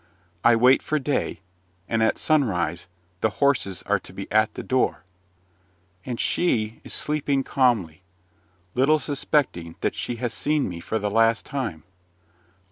I wait for day, and at sunrise the horses are to be at the door. And she is sleeping calmly, little suspecting that she has seen me for the last time.